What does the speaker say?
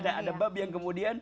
ada babi yang kemudian